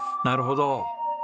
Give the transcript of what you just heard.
なるほど。